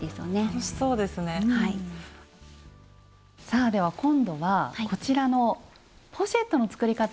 さあでは今度はこちらのポシェットの作り方